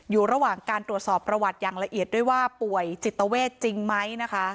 อยู่ระหว่างการตรวจสอบประวัติอย่างละเอียดด้วยว่าป่วยจิตเวทจริงไหมนะคะ